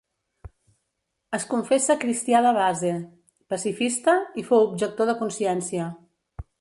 Es confessa cristià de base, pacifista, i fou objector de consciència.